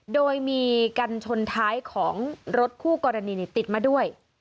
โดยมีกันชนท้ายของรถคู่กรณีติดมาด้วย